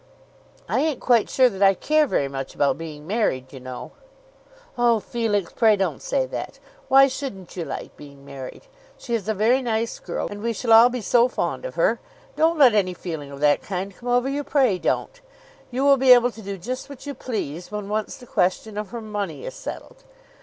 "I ain't quite sure that I care very much about being married, you know." "Oh, Felix, pray don't say that. Why shouldn't you like being married? She is a very nice girl, and we shall all be so fond of her! Don't let any feeling of that kind come over you; pray don't. You will be able to do just what you please when once the question of her money is settled.